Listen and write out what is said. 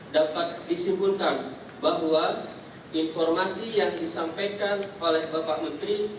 dapat disimpulkan bahwa informasi yang disampaikan oleh bapak menteri